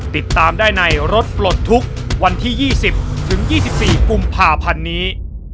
ติดตามได้ในรถปลดทุกข์วันที่๒๐ถึง๒๔กุมภาพันธ์นี้